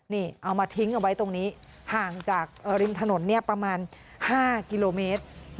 นี่เอามาทิ้งเอาไว้ตรงนี้ห่างจากริมถนนประมาณ๕กิโลเมตร